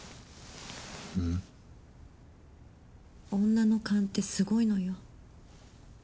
女の勘ってすごいのよ。